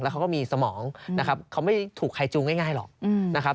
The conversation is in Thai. เขาก็มีสมองนะครับเขาไม่ถูกใครจูงง่ายหรอกนะครับ